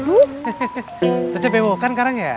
ustadznya bebo kan sekarang ya